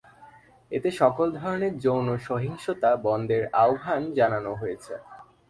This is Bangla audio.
এতে সকল ধরনের যৌন সহিংসতা বন্ধের আহ্বান জানানো হয়েছে।